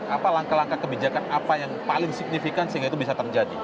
apa langkah langkah kebijakan apa yang paling signifikan sehingga itu bisa terjadi